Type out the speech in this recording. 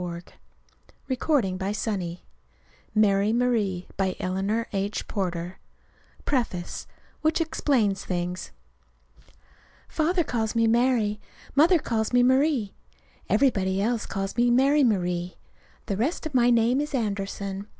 From drawings by HELEN MASON GROSE MARY MARIE PREFACE WHICH EXPLAINS THINGS Father calls me Mary. Mother calls me Marie. Everybody else calls me Mary Marie. The rest of my name is Anderson.